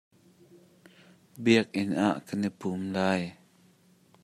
Biakinn ah kan i pum lai.